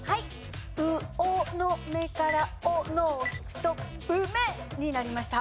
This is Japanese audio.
「うおのめ」から「おの」を引くと「うめ」になりました。